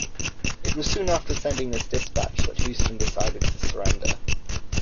It was soon after sending this dispatch that Heuston decided to surrender.